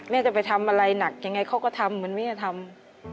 จะไปทำอะไรหนักยังไงเขาก็ทำเหมือนแม่ทำ